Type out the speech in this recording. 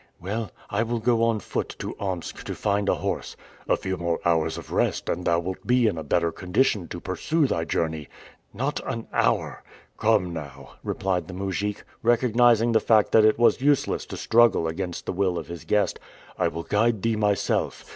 "Well, I will go on foot to Omsk to find a horse." "A few more hours of rest, and thou wilt be in a better condition to pursue thy journey." "Not an hour!" "Come now," replied the mujik, recognizing the fact that it was useless to struggle against the will of his guest, "I will guide thee myself.